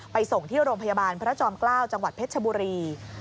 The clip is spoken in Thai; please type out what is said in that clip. ส่งที่โรงพยาบาลพระจอมเกล้าจังหวัดเพชรชบุรี